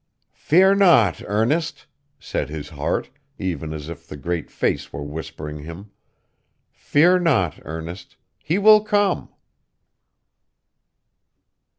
'Fear not, Ernest,' said his heart, even as if the Great Face were whispering him 'fear not, Ernest; he will come.